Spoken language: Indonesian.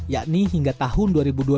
yakni hingga tahun dua ribu dua puluh